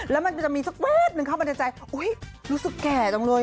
แล้วมันจะมีสักแวบนึงเข้ามาในใจรู้สึกแก่จังเลย